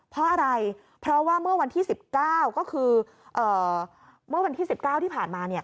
เพราะอะไรเพราะว่าเมื่อวันที่๑๙ก็คือเมื่อวันที่๑๙ที่ผ่านมา